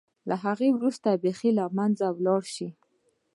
له هغه وروسته بېخي له منځه ولاړه شي.